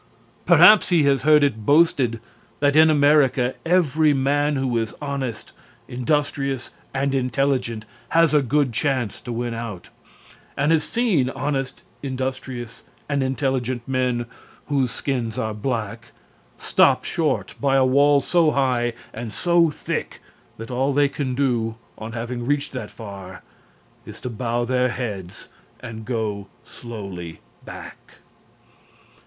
Perhaps he has heard it boasted that in America every man who is honest, industrious and intelligent has a good chance to win out, and has seen honest, industrious and intelligent men whose skins are black stopped short by a wall so high and so thick that all they can do, on having reached that far, is to bow their heads and go slowly back.